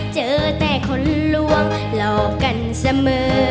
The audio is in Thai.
เจอแต่คนลวงหลอกกันเสมอ